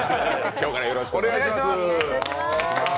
今日からよろしくお願いします。